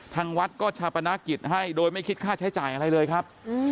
ทางวัดก็ชาปนกิจให้โดยไม่คิดค่าใช้จ่ายอะไรเลยครับ